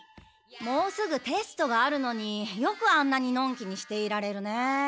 もうすぐテストがあるのによくあんなにのんきにしていられるね。